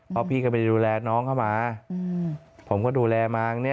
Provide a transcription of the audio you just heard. เพราะพี่ก็ไปดูแลน้องเข้ามาผมก็ดูแลมา